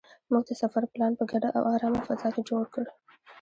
موږ د سفر پلان په ګډه او ارامه فضا کې جوړ کړ.